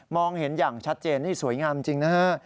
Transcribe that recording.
เห็นอย่างชัดเจนนี่สวยงามจริงนะฮะ